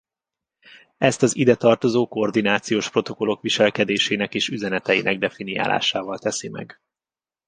Ezt az ide tartozó koordinációs protokollok viselkedésének és üzeneteinek definiálásával teszi meg.